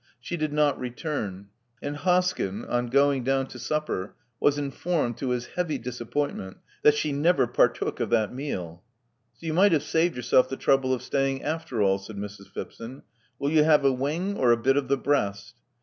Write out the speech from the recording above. She did not return ; and Hoskyn, on going down to supper, was informed, to his heavy disappointment, that she never partook of that meal. So you might have saved yourself the trouble of staying, after all," said Mrs. Phipson. *'Will you have a wing or a bit of the breast?"